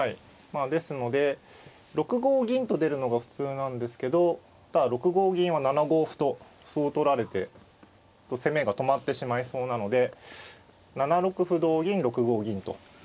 まあですので６五銀と出るのが普通なんですけどただ６五銀は７五歩と歩を取られて攻めが止まってしまいそうなので７六歩同銀６五銀と。